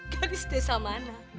gadis desa mana